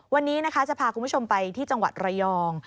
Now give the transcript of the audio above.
วันนี้นะคะจะพาคุณผู้ชมไปที่จังหวัดระยอง